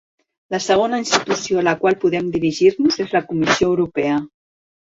La segona institució a la qual podem dirigir-nos és la Comissió Europea.